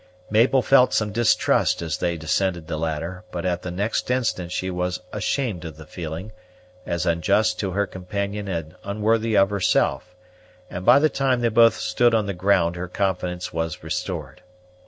Mabel felt some distrust as they descended the ladder; but at the next instant she was ashamed of the feeling, as unjust to her companion and unworthy of herself, and by the time they both stood on the ground her confidence was restored.